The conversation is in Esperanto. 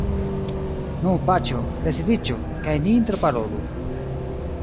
Nu, paĉjo, residiĝu, kaj ni interparolu.